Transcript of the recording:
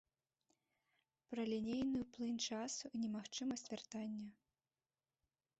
Пра лінейную плынь часу і немагчымасць вяртання.